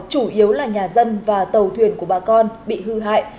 chủ yếu là nhà dân và tàu thuyền của bà con bị hư hại